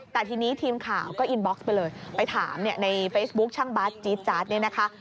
แต่ทีนี้ทีมข่าวก็อินบ็อกซ์ไปเลยไปถามในเฟซบุ๊คช่างบาสจี๊ดจาร์ดเนี่ยนะคะ